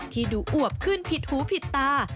ที่ดูอวบขึ้นผิดหูผิดตา